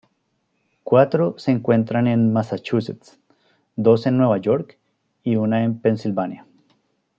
Cuatro se encuentran en Massachusetts, dos en Nueva York y una en Pensilvania.